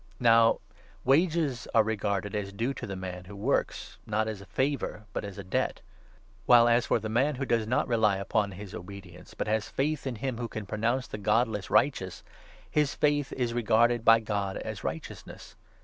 Now wages are regarded as due to the man who works, not 4 as a favour, but as a debt ; while, as for the man who does 5 not rely upon his obedience, but has faith in him who can pro nounce the godless righteous, his faith is regarded by God as righteousness.